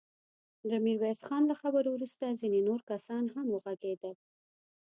د ميرويس خان له خبرو وروسته ځينې نور کسان هم وغږېدل.